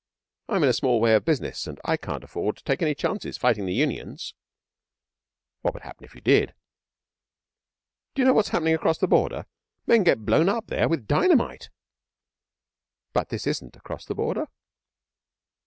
I'm in a small way of business, and I can't afford to take any chances fighting the Unions.' 'What would happen if you did?' 'D'you know what's happening across the Border? Men get blown up there with dynamite.' 'But this isn't across the Border?'